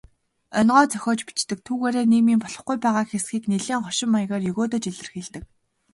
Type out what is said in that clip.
Онигоо зохиож бичдэг, түүгээрээ нийгмийн болохгүй байгаа хэсгийг нэлээн хошин маягаар егөөдөж илэрхийлдэг.